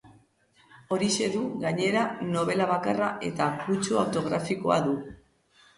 Horixe du, gainera, nobela bakarra, eta kutsu autobiografikoa du.